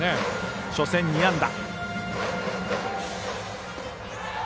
初戦２安打。